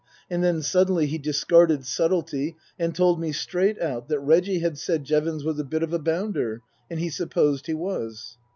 And then suddenly he discarded subtlety and told me straight out that Reggie had said Jevons was a bit of a bounder, and he supposed he was.